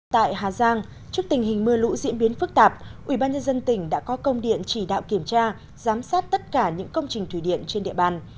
tại hà giang trước tình hình mưa lũ diễn biến phức tạp ubnd tỉnh đã có công điện chỉ đạo kiểm tra giám sát tất cả những công trình thủy điện trên địa bàn